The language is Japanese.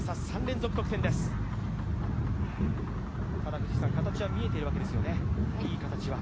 藤井さん、形は見えているわけですよね、いい形は。